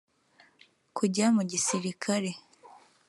kujya mu gisirikare